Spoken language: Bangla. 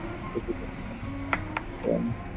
তেত্রিশ কোটির ছোটো ছোটো নূতন সংস্করণ।